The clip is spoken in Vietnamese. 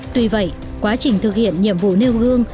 tuy vậy quá trình thực hiện nhiệm vụ nêu gương